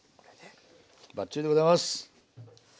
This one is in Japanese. バッチリでございます！